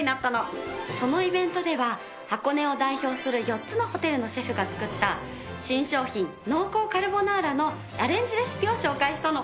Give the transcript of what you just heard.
そのイベントでは箱根を代表する４つのホテルのシェフが作った新商品濃厚カルボナーラのアレンジレシピを紹介したの。